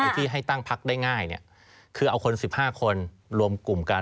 ที่ให้ตั้งพักได้ง่ายคือเอาคน๑๕คนรวมกลุ่มกัน